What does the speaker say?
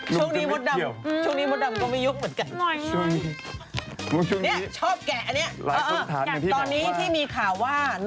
หนุ่มหนุ่มจะไม่เที่ยว